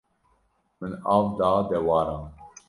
Min av da dewaran.